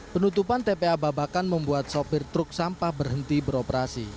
penutupan tpa babakan membuat sopir truk sampah berhenti beroperasi